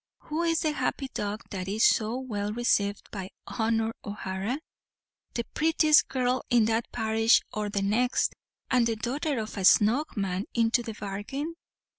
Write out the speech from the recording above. Who is the happy dog that is so well received by Honor O'Hara, the prettiest girl in that parish or the next, and the daughter of a "snug man" into the bargain?